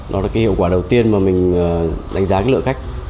đó là hiệu quả đầu tiên mà mình đánh giá lượng khách